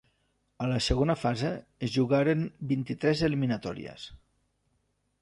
A la segona fase es jugaren vint-i-tres eliminatòries.